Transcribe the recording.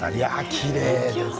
きれいです。